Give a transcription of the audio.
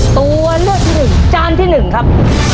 ตัวเลือดที่หนึ่งจานที่หนึ่งครับ